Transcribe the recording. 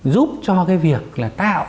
giúp cho cái việc là tạo